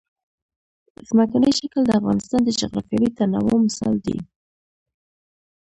ځمکنی شکل د افغانستان د جغرافیوي تنوع مثال دی.